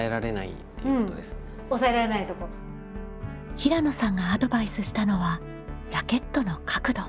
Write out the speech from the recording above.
平野さんがアドバイスしたのはラケットの角度。